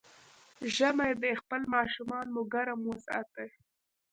ژمی دی، خپل ماشومان مو ګرم وساتئ.